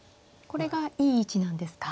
これがいい位置なんですか。